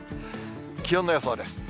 気温の予想です。